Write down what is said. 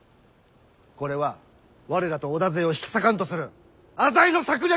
これは我らと織田勢を引き裂かんとする浅井の策略！